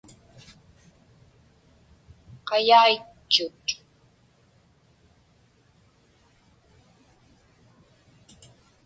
Qayaitchut.